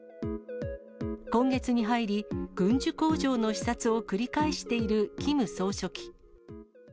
今月に入り、軍需工場の視察を繰り返しているキム総書記。